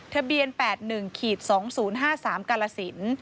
ทะเบียน๘๑๒๐๕๓กาลสิน